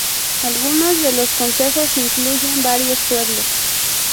Algunos de los concejos incluyen varios pueblos.